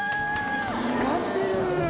光ってる！